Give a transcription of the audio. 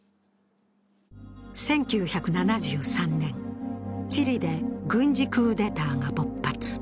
１９７３年、チリで軍事クーデターが勃発。